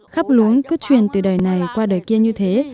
khắp luống cứ truyền từ đời này qua đời kia như thế